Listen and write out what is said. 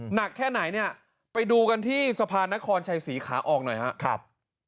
หนักแค่ไหนเนี่ยไปดูกันที่สะพานนครชัยศรีขาออกหน่อยครับ